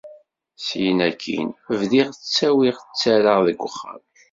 Syin akkin, bdiɣ ttawiɣ ttarraɣ deg uxxam.